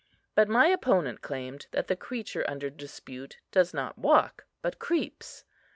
But my opponent claimed that the creature under dispute does not walk, but creeps.